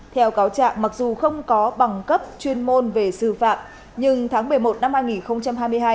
theo cáo trạng mặc dù không có bằng cấp chuyên môn về xử phạm nhưng tháng một mươi một năm hai nghìn hai mươi hai